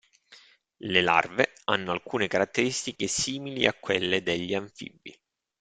Le larve hanno alcune caratteristiche simili a quelle degli anfibi.